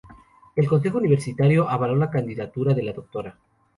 El Consejo Universitario avaló la candidatura de la Dra.